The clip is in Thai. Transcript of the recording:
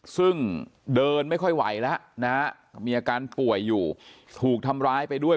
ซึ่งเดินไม่ค่อยไหวแล้วนะฮะมีอาการป่วยอยู่ถูกทำร้ายไปด้วย